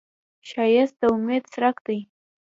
ښایست د امید څرک دی